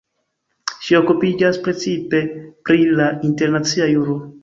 Ŝi okupiĝas precipe pri la internacia juro.